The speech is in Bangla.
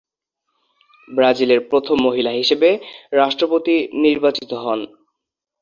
ব্রাজিলের প্রথম মহিলা হিসেবে রাষ্ট্রপতি নির্বাচিত হন।